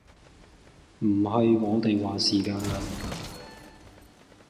唔係我哋話事㗎